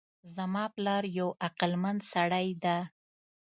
زما پلار یو عقلمند سړی ده